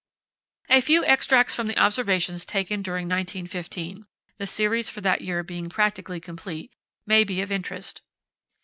A few extracts from the observations taken during 1915—the series for that year being practically complete—may be of interest.